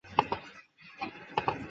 父许学范为乾隆三十七年进士。